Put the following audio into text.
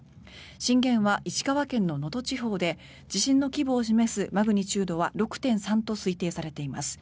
震源は石川県の能登地方で地震の規模を示すマグニチュードは６．３と推定されています。